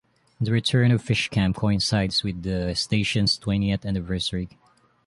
The return of FishCam coincides with the station's twentieth anniversary.